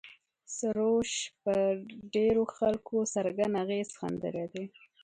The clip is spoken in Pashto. سروش پر ډېرو خلکو څرګند اغېز ښندلی دی.